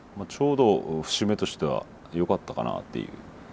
ちょうど節目としてはよかったかなっていう。